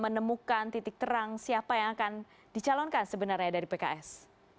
menemukan titik terang siapa yang akan dicalonkan sebenarnya dari pks